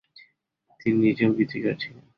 তিনি নিজেও গীতিকার ছিলেন।